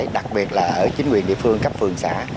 đặc biệt là ở chính quyền địa phương cấp phường xã